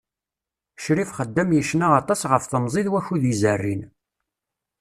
Ccrif Xeddam yecna aṭas ɣef temẓi d wakud izerrin.